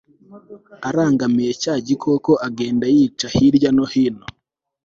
arangamiye cya gikoko, agenda yica hirya no hino